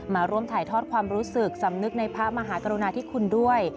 มาร่วมถ่ายทอดความรู้สึกสำนึกในพระมหากรุณาธิคุณด้วย